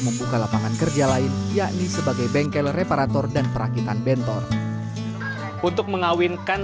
membuka lapangan kerja lain yakni sebagai bengkel reparator dan perakitan bentor untuk mengawinkan